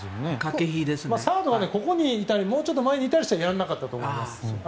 サードはここにいたりもうちょっと前にいたらやらなかったと思います。